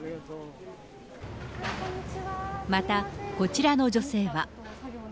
また、こちらの女性は。